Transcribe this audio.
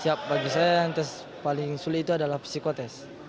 siap bagi saya yang paling sulit itu adalah psikotest